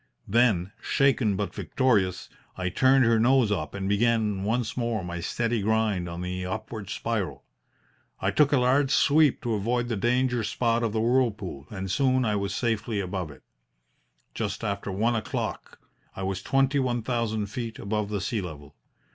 Then, shaken but victorious, I turned her nose up and began once more my steady grind on the upward spiral. I took a large sweep to avoid the danger spot of the whirlpool, and soon I was safely above it. Just after one o'clock I was twenty one thousand feet above the sea level.